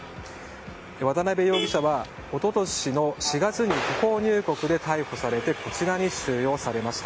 渡辺容疑者は、一昨年の４月に不法入国で逮捕されてこちらに収容されました。